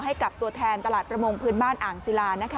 ให้กับตัวแทนตลาดประมงพื้นบ้านอ่างศิลานะคะ